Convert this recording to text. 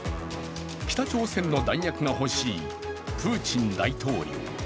北朝鮮の弾薬が欲しいプーチン大統領。